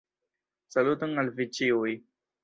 Saluton al vi ĉiuj!